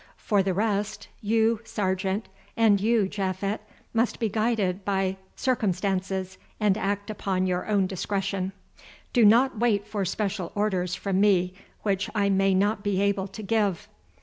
For the rest, you, Sergeant, and you, Japhet, must be guided by circumstances and act upon your own discretion. Do not wait for special orders from me which I may not be able to give.